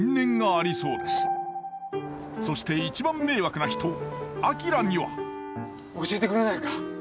そして一番迷惑な人明には教えてくれないか？